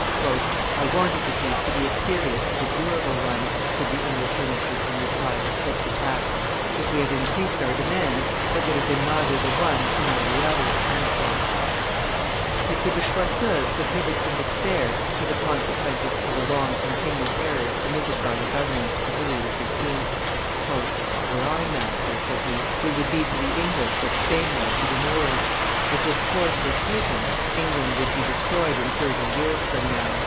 "I wanted the peace to be a serious and a durable one," said the English minister in reply to Pitt's attacks; "if we had increased our demands, it would have been neither the one nor the other." M. de Choiseul submitted in despair to the consequences of the long continued errors committed by the government of Louis XV. "Were I master," said he, "we would be to the English what Spain was to the Moors; if this course were taken, England would be destroyed in thirty years from now."